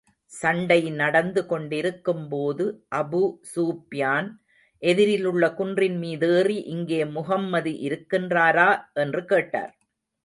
சண்டை நடந்து கொண்டிருக்கும் போது அபூ ஸூப்யான் எதிரிலுள்ள குன்றின் மீதேறி, இங்கே முஹம்மது இருக்கின்றாரா? என்று கேட்டார்.